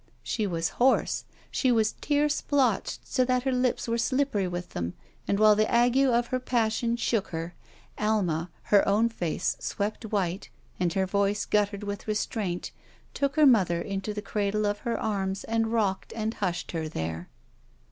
She was hoarse. She was tear splotched so that her lips were slippery with them, and while the ague of her passion shook her. Alma, her own face swept white and her voice guttered with restraint, took her mother into the cradle of her arms and rocked and hushed her there.